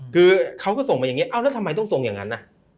คือเขาก็ส่งมาอย่างนี้เอ้าแล้วทำไมต้องส่งอย่างนั้นนะ